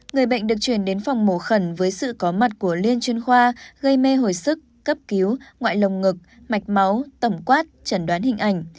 người bệnh được chuyển đến phòng mổ khẩn với sự có mặt của liên chuyên khoa gây mê hồi sức cấp cứu ngoại lồng ngực mạch máu tổng quát chẩn đoán hình ảnh